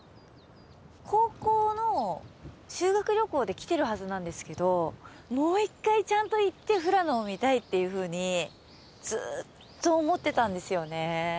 高校の修学旅行で来てるはずなんですけどもう１回ちゃんと行って富良野を見たいっていうふうにずーっと思ってたんですよね。